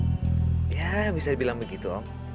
sekarang saya sedang benar benar dimampu cinta